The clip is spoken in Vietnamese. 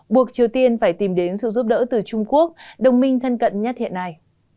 buộc triều tiên phải tìm đến sự giúp đỡ từ trung quốc đồng minh thân cận nhất hiện nay